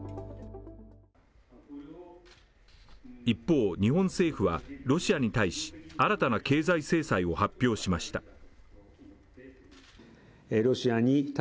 一方、日本政府はロシアに対し新たな経済制裁を発表しました。